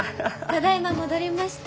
ただいま戻りました。